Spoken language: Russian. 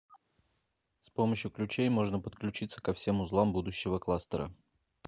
С помощью ключей можно подключиться ко всем узлам будущего кластера